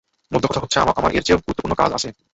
মোদ্দাকথা হচ্ছে, আমার এরচেয়েও গুরুত্বপূর্ন কাজ আছে।